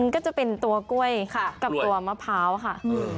ก็จะเป็นตัวกล้วยกับตัวมะพร้าวค่ะ